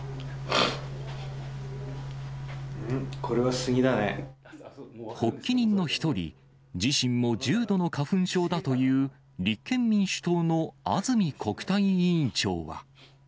うん？発起人の一人、自身も重度の花粉症だという立憲民主党の安住国対委員長は。